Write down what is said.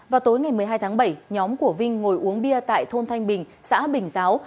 vào tối ngày một mươi hai tháng bảy nhóm của vinh ngồi uống bia tại thôn thanh bình xã bình giáo